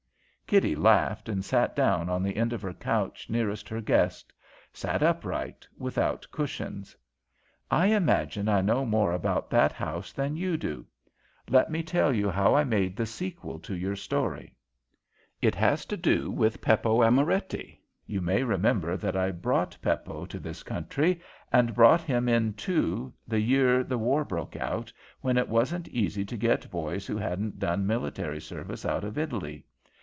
Kitty laughed, and sat down on the end of her couch nearest her guest; sat upright, without cushions. "I imagine I know more about that house than you do. Let me tell you how I made the sequel to your story. "It has to do with Peppo Amoretti. You may remember that I brought Peppo to this country, and brought him in, too, the year the war broke out, when it wasn't easy to get boys who hadn't done military service out of Italy.